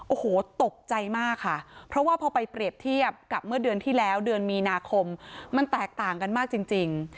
โอ้โหตกใจมากค่ะเพราะว่าพอไปเปรียบเทียบกับเมื่อเดือนที่แล้วเดือนมีนาคมมันแตกต่างกันมากจริง